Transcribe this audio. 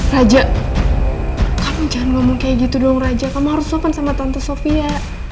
raja kamu jangan ngomong kayak gitu dong raja kamu harus sopan sama tante sofia